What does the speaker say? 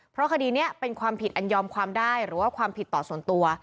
เพราะคดีนี้เป็นความผิดอันยอมความได้หรือว่าความผิดต่อส่วนตัว